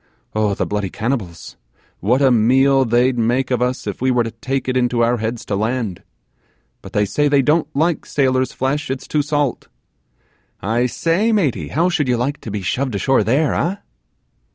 Oh, the bloody cannibals, what a meal they'd make of us if we were to take it into our heads to land! but they say they don't like sailor's flesh, it's too salt. I say, maty, how should you like to be shoved ashore there, eh?